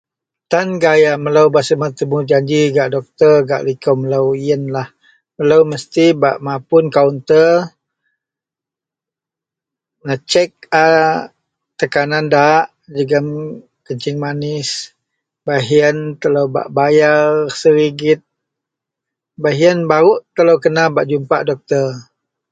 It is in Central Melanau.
tan gaya melou bak subet temujanji gak doctor gak liko melou ienlah, melou mesti bak mapun kaunter, mecek a tekanan daa jegum kencing manis baih yen telou bebak bayar seringgit, baih ien baruk telou kena bak jumpa doctor.